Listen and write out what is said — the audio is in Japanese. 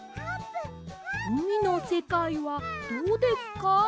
「うみのせかいはどうですか？」